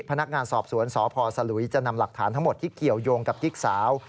พนักงานสอบสวนสพสลุยจะนำหลักฐานทั้งหมดที่เกี่ยวยงกับกิ๊กสาว